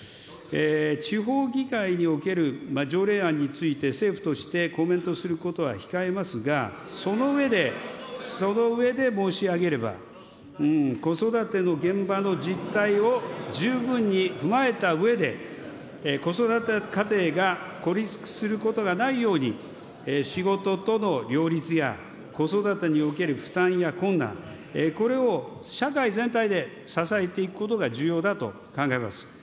地方議会における条例案について、政府としてコメントすることは控えますが、その上で、その上で申し上げれば、子育ての現場の実態を十分に踏まえたうえで、子育て家庭が孤立することがないように、仕事との両立や、子育てにおける負担や困難、これを社会全体で支えていくことが重要だと考えます。